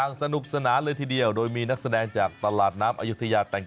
สนุกสนานเลยทีเดียวโดยมีนักแสดงจากตลาดน้ำอายุทยาแต่ง